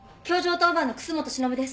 当番の楠本しのぶです。